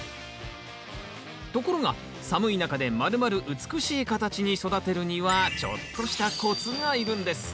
ところが寒い中でまるまる美しい形に育てるにはちょっとしたコツがいるんです。